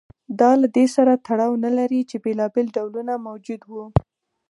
دا له دې سره تړاو نه لري چې بېلابېل ډولونه موجود و